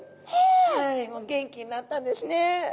はいもう元気になったんですね。